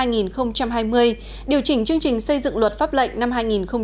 năm hai nghìn hai mươi điều chỉnh chương trình xây dựng luật pháp lệnh năm hai nghìn một mươi chín